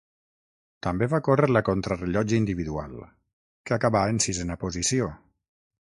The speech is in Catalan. També va córrer la contrarellotge individual, que acabà en sisena posició.